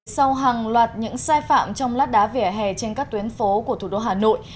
sau hàng loạt những sai phạm trong lát đá vỉa hè trên các tuyến phố của thủ đô hà nội